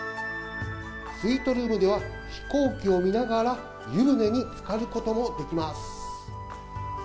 スイートルームでは、飛行機を見ながら湯船につかることもできます。